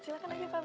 silakan aja pak be